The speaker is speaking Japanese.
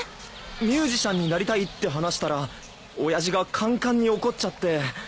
ミュージシャンになりたいって話したら親父がカンカンに怒っちゃって。